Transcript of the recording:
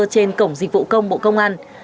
trên cổng dịch vụ công bộ công an